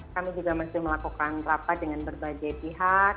kami juga masih melakukan rapat dengan berbagai pihak